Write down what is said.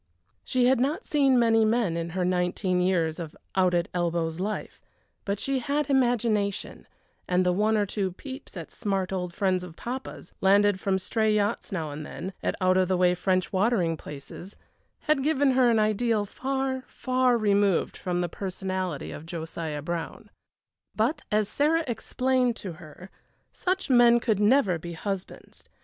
She had not seen many men in her nineteen years of out at elbows life, but she had imagination, and the one or two peeps at smart old friends of papa's, landed from stray yachts now and then, at out of the way French watering places, had given her an ideal far, far removed from the personality of Josiah Brown. But, as Sarah explained to her, such men could never be husbands.